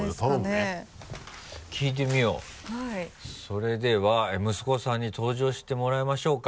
それでは息子さんに登場してもらいましょうか。